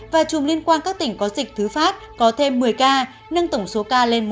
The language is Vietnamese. và chùm liên quan các tỉnh có dịch thứ phát có thêm một mươi ca nâng tổng số ca lên một trăm năm mươi một